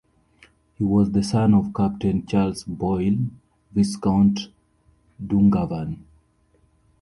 He was the son of Captain Charles Boyle, Viscount Dungarvan.